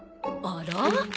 あら？